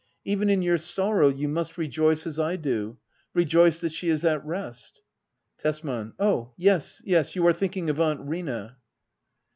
Even in your sorrow you must rejoice, as I do — rejoice that she is at rest. Tesman. Oh yes, yes — ^you are thinking of Aunt Rina.